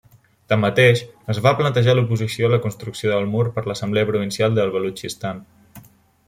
Tanmateix, es va plantejar l'oposició a la construcció del mur per l'Assemblea Provincial de Balutxistan.